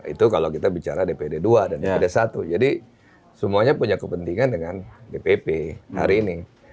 itu kalau kita bicara dpd dua dan dpd satu jadi semuanya punya kepentingan dengan dpp hari ini